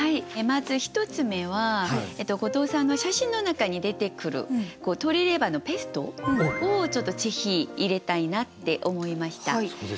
まず１つ目は後藤さんの写真の中に出てくる鶏レバーのペーストをぜひ入れたいなって思いました。